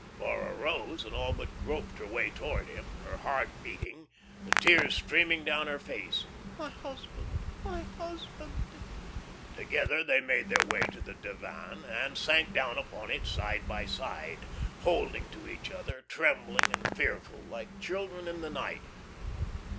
Laura rose, and all but groped her way towards him, her heart beating, the tears streaming down her face. "My husband, my husband!" Together they made their way to the divan, and sank down upon it side by side, holding to each other, trembling and fearful, like children in the night.